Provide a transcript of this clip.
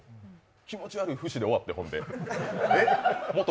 気持ち悪い節で終わってもうて。